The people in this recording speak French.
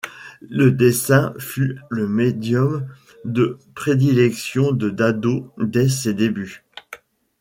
Le dessin fut le médium de prédilection de Dado dès ses débuts.